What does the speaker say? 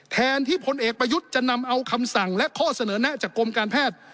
แทนที่พลเอกประยุทธ์จะนำเอาคำสั่งและข้อเสนอแนะจากกรมการแพทย์